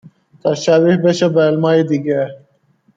تا شبیه بشه به علمهای دیگه